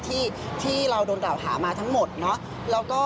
ที่เราโดนกล่าวหามาทั้งหมดเนาะ